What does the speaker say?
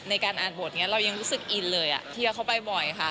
ในการอ่านบทนี้เรายังรู้สึกอินเลยที่เขาไปบ่อยค่ะ